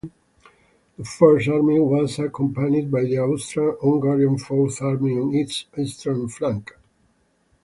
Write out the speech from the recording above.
The First Army was accompanied by the Austro-Hungarian Fourth Army on its eastern flank.